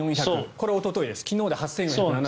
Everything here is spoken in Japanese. これはおとといです。